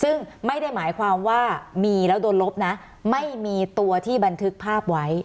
ซึ่งไม่ได้หมายความว่ามีแล้วโดนลบนะไม่มีตัวที่บันทึกภาพไว้